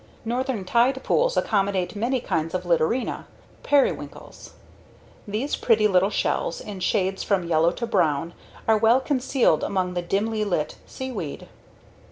Northern tide pools accommodate many kinds of LITTORINA ("periwinkles"). These pretty little shells, in shades from yellow to brown, are well concealed among the dimly lit seaweed.